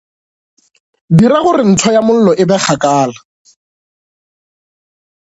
Dira gore ntho ya mollo e be kgakala.